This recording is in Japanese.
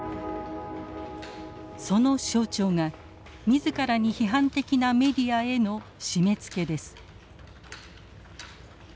その象徴が自らに批判的なメディアへの締め付けです。